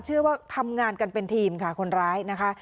เชื่อว่าทำงานกันเป็นทีมค่ะคนร้ายนะคะ